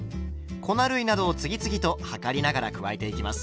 粉類などを次々と量りながら加えていきます。